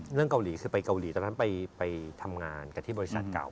เรื่องเกาหลีคือไปเกาหลีตอนนั้นไปทำงานกันที่บริษัทเก่า